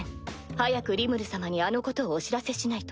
早くリムル様にあのことをお知らせしないと。